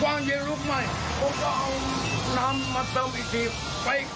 กว้างเย็นลูกใหม่ผมก็เอาน้ำมาเติมอีกที